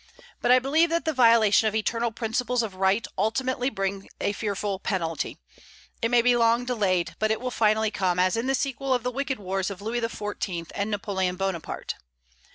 But I believe that the violation of eternal principles of right ultimately brings a fearful penalty. It may be long delayed, but it will finally come, as in the sequel of the wicked wars of Louis XIV. and Napoleon Bonaparte.